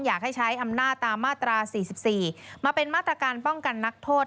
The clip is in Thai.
อยากให้ใช้อำนาจตามมาตรา๔๔มาเป็นมาตรการป้องกันนักโทษ